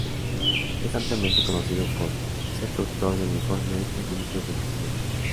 Es ampliamente conocido por ser coautor del informe Los límites del Crecimiento.